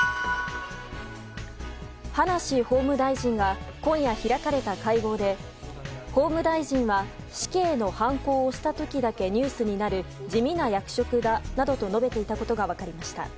葉梨法務大臣が今夜開かれた会合で法務大臣は死刑のはんこを押した時だけニュースになる地味な役職だなどと述べていたことが分かりました。